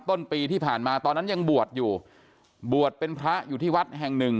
ต้นปีที่ผ่านมาตอนนั้นยังบวชอยู่บวชเป็นพระอยู่ที่วัดแห่งหนึ่ง